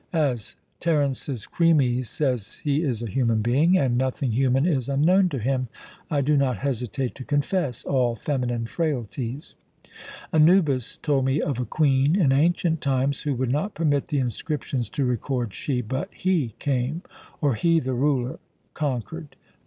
As Terence's Chremes says he is a human being, and nothing human is unknown to him, I do not hesitate to confess all feminine frailties. Anubis told me of a queen in ancient times who would not permit the inscriptions to record 'she,' but 'he came,' or 'he, the ruler, conquered.'